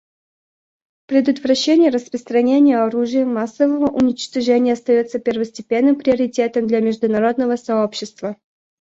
Предотвращение распространения оружия массового уничтожения остается первостепенным приоритетом для международного сообщества.